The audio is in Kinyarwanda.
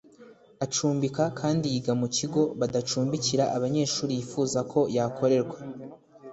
acumbika kandi yiga mu kigo badacumbikira abanyeshuri yifuza ko yakorerwa